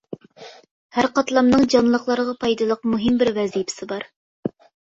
ھەر قاتلامنىڭ جانلىقلارغا پايدىلىق مۇھىم بىر ۋەزىپىسى بار.